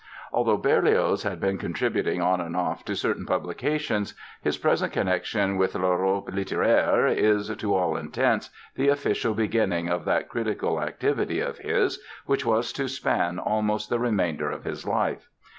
Although Berlioz had been contributing on and off to certain publications his present connection with L'Europe littéraire is, to all intents, the official beginning of that critical activity of his which was to span almost the remainder of his life.